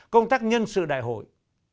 công tác nhân sự đại hội